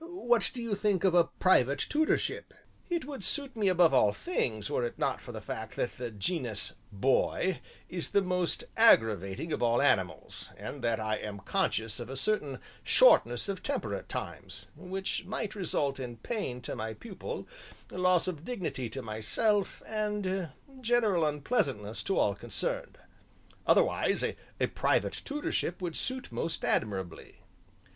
"What do you think of a private tutorship?" "It would suit me above all things were it not for the fact that the genus 'Boy' is the most aggravating of all animals, and that I am conscious of a certain shortness of temper at times, which might result in pain to my pupil, loss of dignity to myself, and general unpleasantness to all concerned otherwise a private tutorship would suit most admirably."